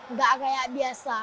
nggak kayak biasa